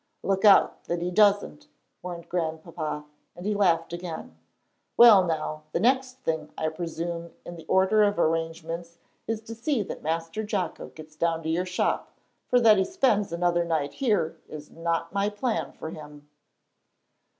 "Look out that he doesn't," warned Grandpapa, and he laughed again. "Well now, the next thing, I presume, in the order of arrangements, is to see that Master Jocko gets down to your shop, for that he spends another night here is not my plan for him."